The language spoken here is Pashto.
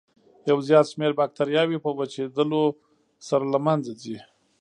یو زیات شمېر باکتریاوې په وچېدلو سره له منځه ځي.